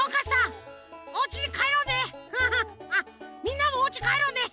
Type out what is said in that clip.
あっみんなもおうちかえろうね！